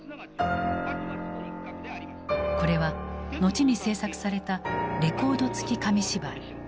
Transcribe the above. これは後に制作されたレコード付き紙芝居。